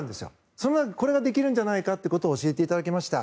その中でこれができるんじゃないかということを教えていただきました。